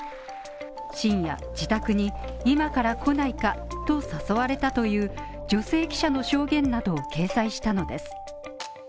深夜、自宅に今から来ないかと誘われたという女性記者の証言などを掲載したのです。